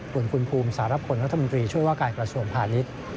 ส่วนคุณภูมิสารพลรัฐมนตรีช่วยว่าการกระทรวงพาณิชย์